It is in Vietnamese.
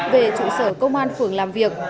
về trụ sở công an phường làm việc